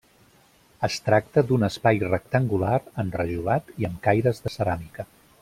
Es tracta d'un espai rectangular, enrajolat i amb caires de ceràmica.